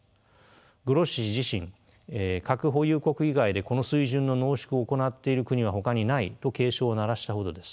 グロッシ氏自身核保有国以外でこの水準の濃縮を行っている国はほかにないと警鐘を鳴らしたほどです。